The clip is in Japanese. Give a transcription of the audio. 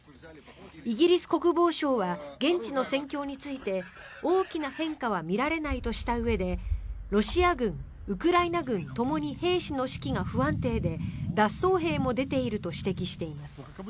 イギリス国防省は現地の戦況について大きな変化は見られないとしたうえでロシア軍、ウクライナ軍ともに兵士の士気が不安定で脱走兵も出ていると指摘しています。